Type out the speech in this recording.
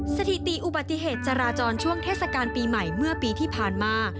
สถิติอุบัติเหตุจราจรช่วงเทศกาลปีใหม่เมื่อปีที่ผ่านมา